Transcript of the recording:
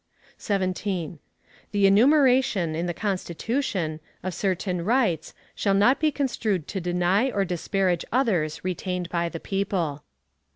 17. The enumeration, in the Constitution, of certain rights shall not be construed to deny or disparage others retained by the people.